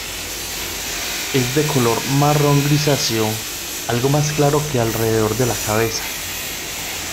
Es de color marrón grisáceo, algo más claro alrededor de la cabeza.